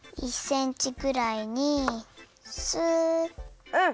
１センチぐらいにスッ。